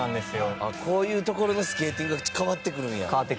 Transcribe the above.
こういうところでスケーティングが変わってくるんや。